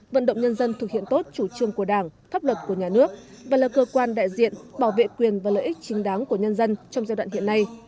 vận động nhân dân thực hiện tốt chủ trương của đảng pháp luật của nhà nước và là cơ quan đại diện bảo vệ quyền và lợi ích chính đáng của nhân dân trong giai đoạn hiện nay